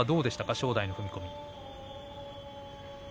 正代の踏み込み。